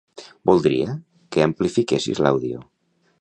Voldria que amplifiquessis l'àudio.